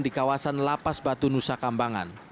di kawasan yang baru selesai dibangun